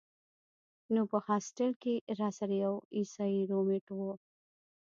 نو پۀ هاسټل کښې راسره يو عيسائي رومېټ وۀ